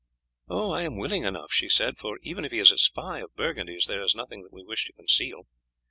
"I am willing enough," she said, "for even if he is a spy of Burgundy's there is nothing that we wish to conceal.